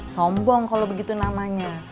sombong kalau begitu namanya